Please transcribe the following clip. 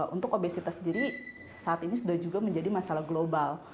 untuk obesitas sendiri saat ini sudah juga menjadi masalah global